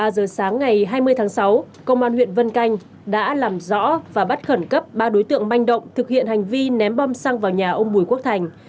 ba giờ sáng ngày hai mươi tháng sáu công an huyện vân canh đã làm rõ và bắt khẩn cấp ba đối tượng manh động thực hiện hành vi ném bom xăng vào nhà ông bùi quốc thành